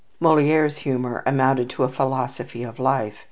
Moliere's humour amounted to a philosophy of life.